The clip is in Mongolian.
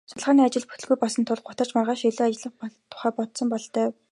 Судалгааны ажил нь бүтэлгүй болсонд л гутарч маргааш илүү ажиллах тухай бодсон бололтой.